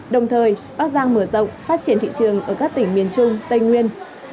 đồng thời bắc giang mở rộng phát triển thị trường ở các tỉnh miền trung tây nguyên